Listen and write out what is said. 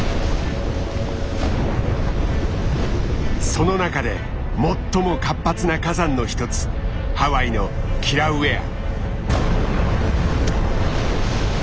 その中で最も活発な火山の一つハワイのキラウェア。